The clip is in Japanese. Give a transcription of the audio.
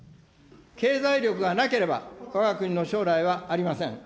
経済力がなければわが国の将来はありません。